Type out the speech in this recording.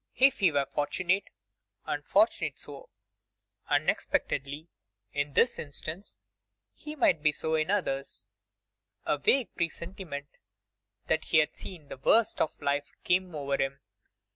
If he were fortunate, and fortunate so unexpectedly, in this instance, he might be so in others. A vague presentiment that he had seen the worst of life came over him.